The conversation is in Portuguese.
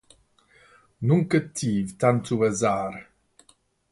Nunca tive tanto azar